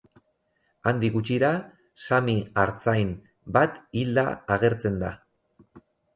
Handik gutxira, sami artzain bat hilda agertzen da.